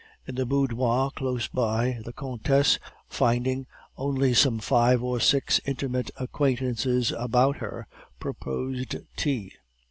In the boudoir close by, the countess, finding only some five or six intimate acquaintances about her, proposed tea.